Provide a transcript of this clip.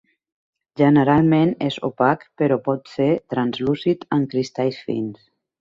Generalment és opac però pot ser translúcid en cristalls fins.